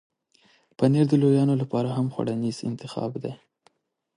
پنېر د لویانو لپاره هم خوړنیز انتخاب دی.